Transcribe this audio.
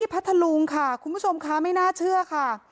พัทธลุงค่ะคุณผู้ชมค่ะไม่น่าเชื่อค่ะ